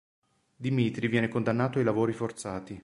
Dmitrij viene condannato ai lavori forzati.